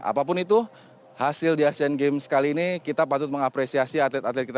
apapun itu hasil di asean games kali ini kita patut mengapresiasi atlet atlet kita